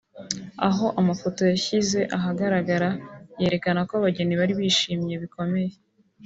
aho amafoto cyashyize ahagaragara yerekana ko abageni bari bishimye bikomeye